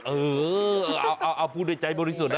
เออเอาพูดในใจบริสุทธนนะ